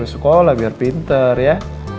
sekolah biar pinter ya